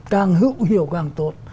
càng hữu hiệu càng tốt